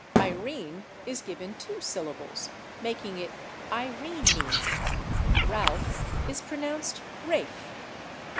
/Irene/ is given two syllables, making it /Irene y/. /Ralph/ is pronounced /Rafe